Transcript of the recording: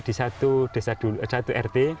di satu rt